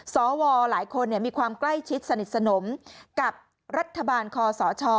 สวหลายคนมีความใกล้ชิดสนิทสนมกับรัฐบาลคอสช